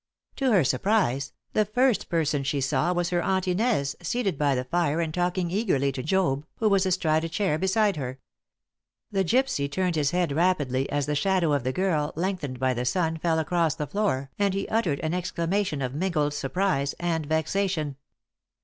To her surprise, the first person she saw was her aunt Inez seated by the fire and talking eagerly to Job, who was astride a chair beside her. The gypsy turned his head rapidly as the shadow of the girl, lengthened by the sun, fell across the floor, and he uttered an exclamation of mingled surprise aid vexation.